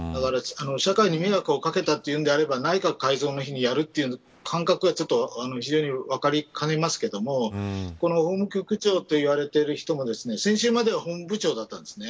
社会に迷惑をかけたというんであれば内閣改造の日にやるという感覚が非常に分かりかねますけどこの法務局長と言われている人も先週までは法務部長だったんです。